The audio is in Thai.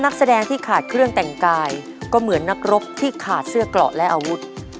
ก็เหมือนนักรบที่ขาดเสื้อกล่อและอาวุธ